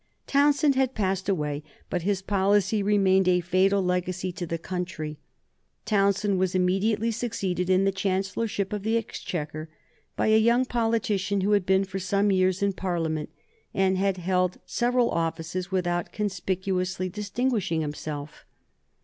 Townshend had passed away, but his policy remained, a fatal legacy to the country. Townshend was immediately succeeded in the Chancellorship of the Exchequer by a young politician who had been for some years in Parliament and had held several offices without conspicuously distinguishing himself.